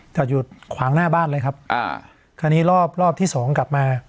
จอดอยู่ขวางหน้าบ้านเลยครับอ่าคราวนี้รอบรอบที่สองกลับมา